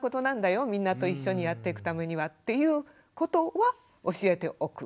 みんなと一緒にやっていくためにはということは教えておく。